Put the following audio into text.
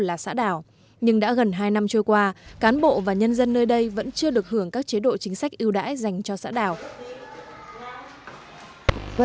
là xã đảo nhưng đã gần hai năm trôi qua cán bộ và nhân dân nơi đây vẫn chưa được hưởng các chế độ chính sách ưu đãi dành cho xã đảo